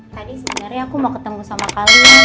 tadi sebenarnya aku mau ketemu sama kalian